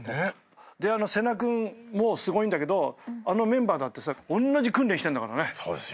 で聖成君もすごいんだけどあのメンバーだってさおんなじ訓練してんだからね。